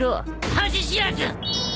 恥知らず！